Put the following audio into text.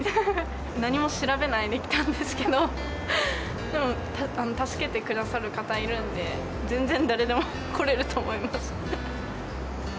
何も調べないで来たんですけど、でも助けてくださる方いるんで、全然誰でも来れると思います。